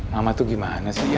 mama tuh gimana sih